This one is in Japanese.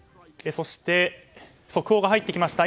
そして、速報が入ってきました。